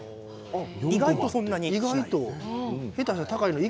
意外とそんなに？